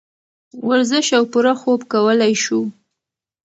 ورزش او پوره خوب کولے شو -